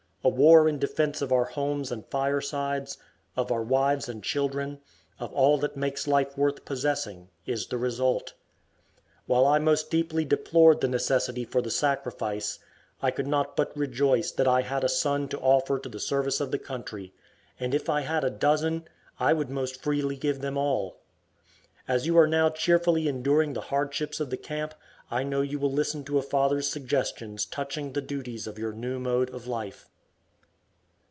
A war in defense of our homes and firesides, of our wives and children, of all that makes life worth possessing, is the result. While I most deeply deplored the necessity for the sacrifice, I could not but rejoice that I had a son to offer to the service of the country, and if I had a dozen, I would most freely give them all. As you are now cheerfully enduring the hardships of the camp, I know you will listen to a father's suggestions touching the duties of your new mode of life.